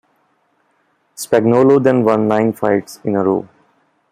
Spagnolo then won nine fights in a row.